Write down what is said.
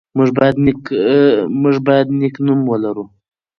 موږ باید نېک نوم ولرو.